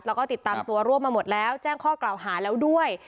แล้วก็ติดตามตัวร่วมมาหมดแล้วแจ้งข้อกล่าวหาแล้วด้วย